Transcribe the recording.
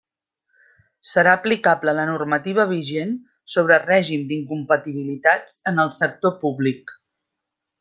Serà aplicable la normativa vigent sobre règim d'incompatibilitats en el sector públic.